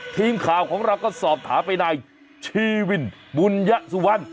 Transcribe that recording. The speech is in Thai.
ทีมข่าวของเราก็สอบถามไปนายชีวินบุญยสุวรรณ